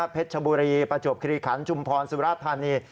เพชรชบุรีประจวบคิริขันศ์จุมพรสุราธารณี